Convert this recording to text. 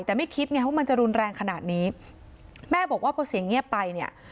แต่ไม่คิดไงว่ามันจะรุนแรงขนาดนี้แม่บอกว่าพอเสียงเงียบไปเนี่ย